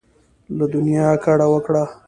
له دنیا کډه وکړه.